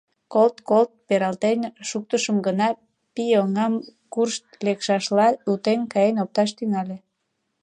Колт-колт пералтен шуктышым гына — пий, оҥам кӱрышт лекшашла утен каен опташ тӱҥале.